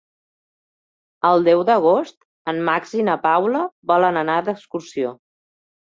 El deu d'agost en Max i na Paula volen anar d'excursió.